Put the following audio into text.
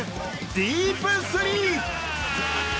ディープスリー。